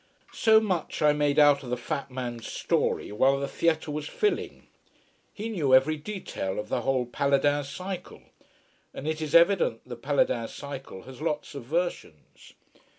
So much I made out of the fat man's story, while the theatre was filling. He knew every detail of the whole Paladin cycle. And it is evident the Paladin cycle has lots of versions.